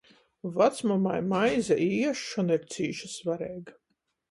Vacmamai maize i iesšona ir cīši svareiga.